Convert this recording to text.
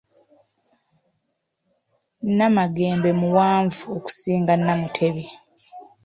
Namagembe muwanvu okusinga Namutebi.